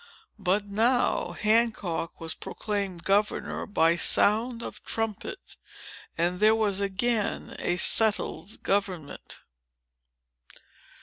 But now, Hancock was proclaimed governor by sound of trumpet; and there was again a settled government."